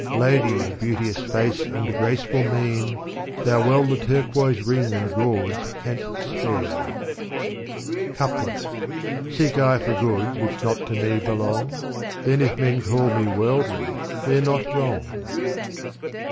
Lady of beauteous face and graceful mien ! Thou well the turquoise ring and gauds canst spare. Couplet Seek I for goods which not to me belong ; Then if men call me worldly they're not wrong.